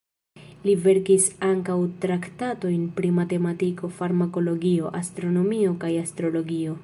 Li verkis ankaŭ traktatojn pri matematiko, farmakologio, astronomio kaj astrologio.